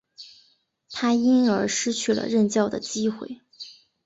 他因而失去了任教的机会。